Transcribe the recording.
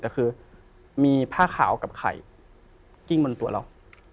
แต่คือมีผ้าขาวกับไข่กิ้งบนตัวเรา